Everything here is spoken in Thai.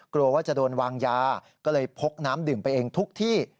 กลัวว่าจะโดนวางยาก็เลยพกน้ำดื่มไปเองทุกที่